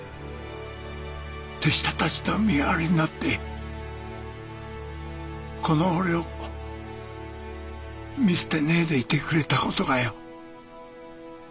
手下たちの身代わりになってこの俺を見捨てねえでいてくれた事がよ